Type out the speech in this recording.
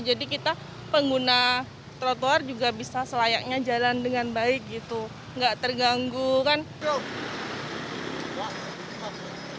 jadi kita pengguna trotoar juga bisa selayaknya jalan dengan baik gitu gak terganggu kan